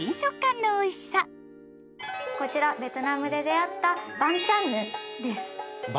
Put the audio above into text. こちらベトナムで出会ったバンチャンヌン？